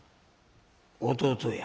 「弟や」。